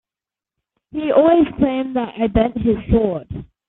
'He always claimed that I bent his sword.